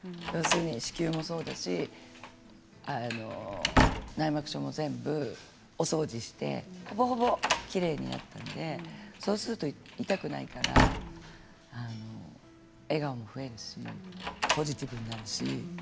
子宮もそうだし内膜症も全部お掃除をしてほぼほぼ、きれいになったのでそうすると痛くないから笑顔も増えるしポジティブになるし。